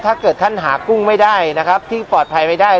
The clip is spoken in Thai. ถ้าเกิดท่านหากุ้งไม่ได้นะครับที่ปลอดภัยไม่ได้